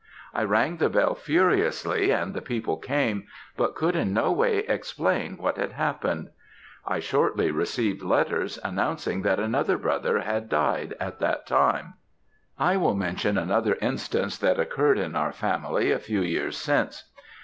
I rang the bell furiously, and the people came, but could in no way explain what had happened. I shortly received letters, announcing that another brother had died at that time. "I will mention another instance that occurred in our family a few years since.